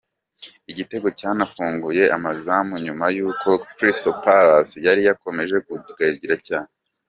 Igitego cyanafunguye amazamu nyuma y'uko Cyristal Palace yari yakomeje kugarira cyane.